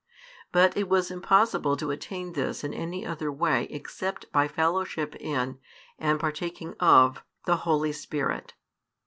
But it was impossible to attain this in any other way except by fellowship in, and partaking of, the Holy Spirit.